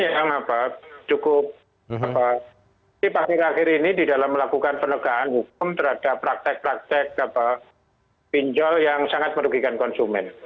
yang cukup akhir akhir ini di dalam melakukan penegakan hukum terhadap praktek praktek pinjol yang sangat merugikan konsumen